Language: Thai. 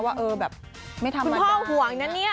ว่าไม่ธรรมดาคุณพ่อห่วงนะบอกให้